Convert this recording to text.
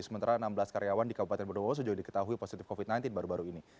sementara enam belas karyawan di kabupaten bodowo sudah diketahui positif covid sembilan belas baru baru ini